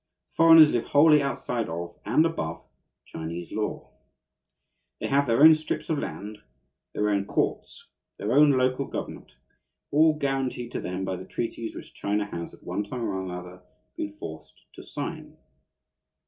The foreigners live wholly outside of and above Chinese law. They have their own strips of land, their own courts, their own local government, all guaranteed to them by the treaties which China has, at one time or another, been forced to sign.